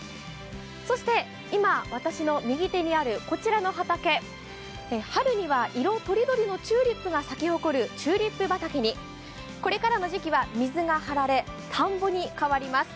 そして今、私の右手にあるこちらの畑、春には色とりどりのチューリップが咲き誇るチューリップ畑にこれからの時期は水が張られ、田んぼに変わります。